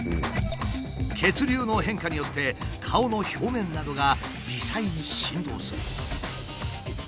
血流の変化によって顔の表面などが微細に振動する。